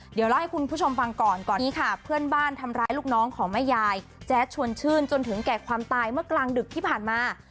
เดี๋ยวเล่าให้คุณผู้ชมฟังก่อนก่อนนี้ค่ะเพื่อนบ้านทำร้ายลูกน้องของแม่ยายแจ๊ดชวนชื่นจนถึงแก่ความตายเมื่อกลางดึกที่ผ่านมา